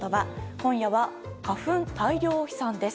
今日は花粉大量飛散です。